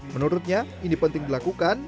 menurutnya ini penting dilakukan